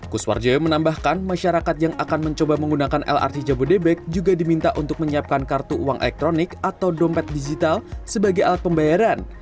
kuswarjoyo menambahkan masyarakat yang akan mencoba menggunakan lrt jabodebek juga diminta untuk menyiapkan kartu uang elektronik atau dompet digital sebagai alat pembayaran